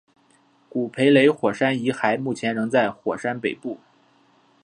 古培雷火山遗骸目前仍在火山北部。